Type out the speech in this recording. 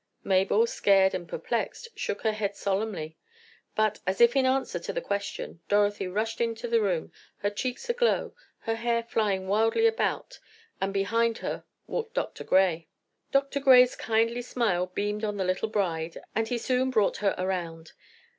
Mabel, scared and perplexed, shook her head solemnly. But, as if in answer to the question, Dorothy rushed into the room, her cheeks aglow, her hair flying wildly about, and behind her walked Dr. Gray. Dr. Gray's kindly smile beamed on the little bride, and he soon brought her around.